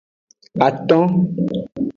Aton.